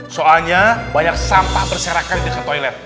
soalnya banyak sampah berserakan di dekat toilet